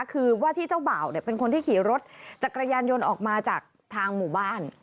คือว่าที่เจ้าบ่าวเป็นคนที่ขี่รถจักรยานยนต์ออกมาจากทางหมู่บ้าน